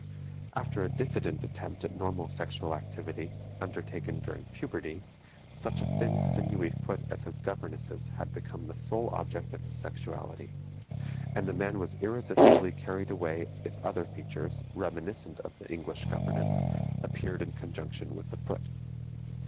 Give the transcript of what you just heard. After a diffident attempt at normal sexual activity, undertaken during puberty, such a thin sinewy foot as his governess' had become the sole object of his sexuality; and the man was irresistibly carried away if other features, reminiscent of the English governess, appeared in conjunction with the foot.